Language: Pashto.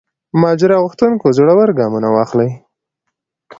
ماجرا غوښتونکو زړه ور ګامونه واخلي.